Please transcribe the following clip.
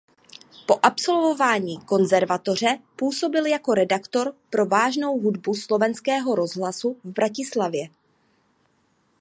Po absolvování konzervatoře působil jako redaktor pro vážnou hudbu Slovenského rozhlasu v Bratislavě.